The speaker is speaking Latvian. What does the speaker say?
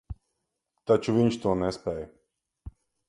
Taču viņš to nespēj.